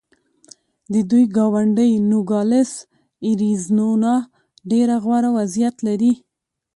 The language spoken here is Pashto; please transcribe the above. د دوی ګاونډی نوګالس اریزونا ډېر غوره وضعیت لري.